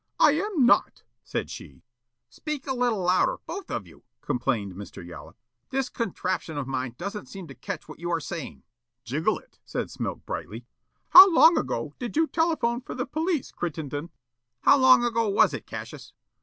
"I am not," said she. "Speak a little louder, both of you," complained Mr. Yollop. "This contraption of mine doesn't seem to catch what you are saying." "Jiggle it," said Smilk brightly. "How long ago did you telephone for the police, Crittenden?" "How long ago was it, Cassius?"